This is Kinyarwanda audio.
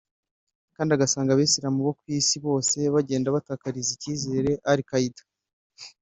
kandi agasanga Abayisilamu bo ku Isi bose bagenda batakariza ikizere Al Qaida